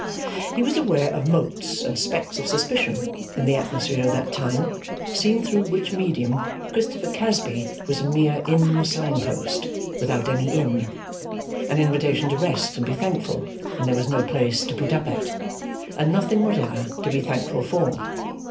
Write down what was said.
He was aware of motes and specks of suspicion in the atmosphere of that time; seen through which medium, Christopher Casby was a mere Inn signpost, without any Inn an invitation to rest and be thankful, when there was no place to put up at, and nothing whatever to be thankful for.